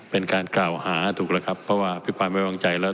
เป็นการกล่าวหาถูกแล้วครับเพราะว่าพิปรายไม่วางใจแล้ว